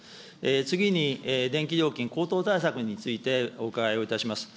次に電気料金高騰対策についてお伺いをいたします。